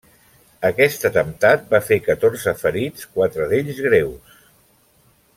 Aquest atemptat va fer catorze ferits, quatre d’ells greus.